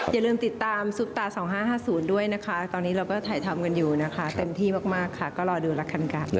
อย่าลืมติดตามซุปตา๒๕๕๐ด้วยนะคะตอนนี้เราก็ถ่ายทำกันอยู่นะคะเต็มที่มากค่ะก็รอดูละกัน